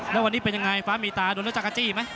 แล้ววันนี้เป็นยังไงฟ้ามีตาโดนรถจักรจี้ไหม